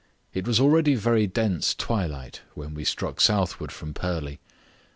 It was already very dense twilight when we struck southward from Purley.